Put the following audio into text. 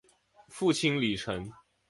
父亲李晟。